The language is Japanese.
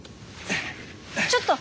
ちょっと！